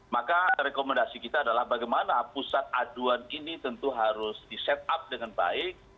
maka rekomendasi kita adalah bagaimana pusat aduan ini tentu harus di set up dengan baik